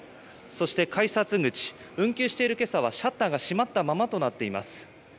そして改札口、運休しているけさは、シャッターが閉まったままとなっています。